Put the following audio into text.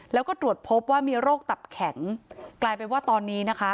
แล้วก็ตรวจพบว่ามีโรคตับแข็งกลายเป็นว่าตอนนี้นะคะ